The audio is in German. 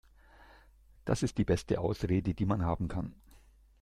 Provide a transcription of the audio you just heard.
Das ist die beste Ausrede, die man haben kann.